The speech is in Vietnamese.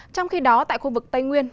trong khi đó tại khu vực tây nguyên